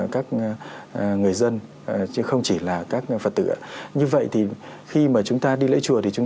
các người dân chứ không chỉ là các phật tử như vậy thì khi mà chúng ta đi lễ chùa thì chúng